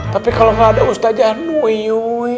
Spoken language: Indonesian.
tapi kalau nggak ada ustadz aja anuyuyuy